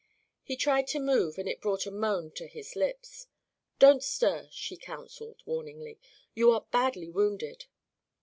He tried to move and it brought a moan to his lips. "Don't stir," she counseled warningly; "you are badly wounded."